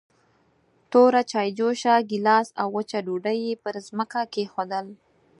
توره چايجوشه، ګيلاس او وچه ډوډۍ يې پر ځمکه کېښودل.